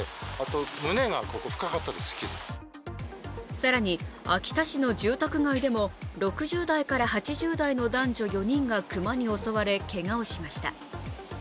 更に秋田市の住宅街でも６０代から８０代の男女４人が熊に襲われ、けがをしました。